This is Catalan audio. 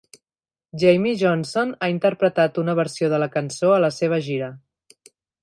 Jamey Johnson ha interpretat una versió de la cançó a la seva gira.